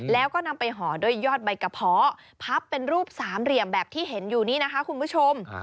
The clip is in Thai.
แล้วก็นำไปห่อด้วยยอดใบกระเพาะพับเป็นรูปสามเหลี่ยมแบบที่เห็นอยู่นี้นะคะคุณผู้ชม